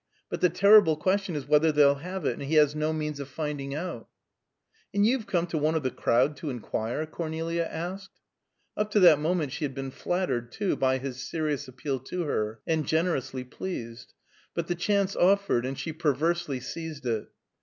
But the terrible question is whether they'll have it; and he has no means of finding out." "And you've come to one of the crowd to inquire?" Cornelia asked. Up to that moment she had been flattered, too, by his serious appeal to her, and generously pleased. But the chance offered, and she perversely seized it.